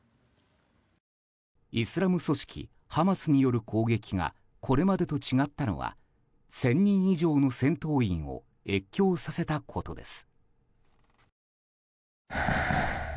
イスラム組織ハマスによる攻撃がこれまでと違ったのは１０００人以上の戦闘員を越境させたことです。